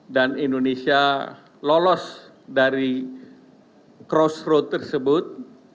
dan indonesia lolos dari crossroad tersebut